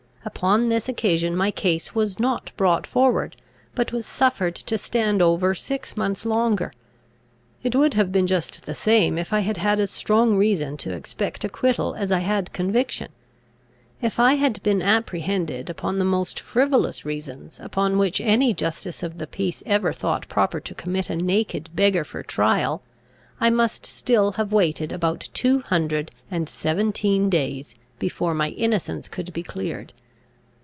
Upon this occasion my case was not brought forward, but was suffered to stand over six months longer. It would have been just the same, if I had had as strong reason to expect acquittal as I had conviction. If I had been apprehended upon the most frivolous reasons upon which any justice of the peace ever thought proper to commit a naked beggar for trial, I must still have waited about two hundred and seventeen days before my innocence could be cleared.